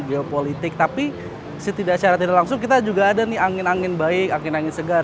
geopolitik tapi setidaknya secara tidak langsung kita juga ada nih angin angin baik angin angin segar